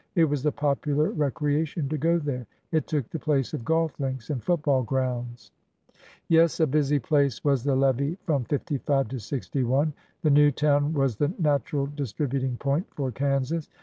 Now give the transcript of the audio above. It was the popular recreation to go there. It took the place of golf links and football grounds. Yes, a busy place was the levee from ^55 to '61. The new town was the natural distributing point for Kansas.